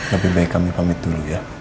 lebih baik kami komit dulu ya